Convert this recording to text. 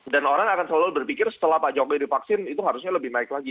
orang akan selalu berpikir setelah pak jokowi divaksin itu harusnya lebih naik lagi